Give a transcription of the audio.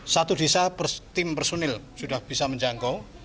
satu desa tim personil sudah bisa menjangkau